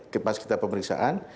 kepas kita pemeriksaan